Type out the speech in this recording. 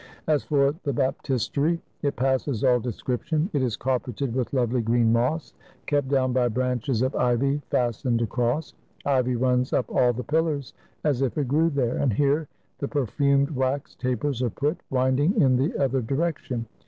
As for the baptistery, it passes all description ! It is carpeted with lovely green moss, kept down by branches of ivy fastened across. Ivy runs up all the pillars as if it grew there, and here the perfumed wax tapers are put, winding in the other direction.